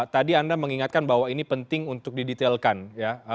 tadi anda mengingatkan bahwa ini penting untuk didetailkan ya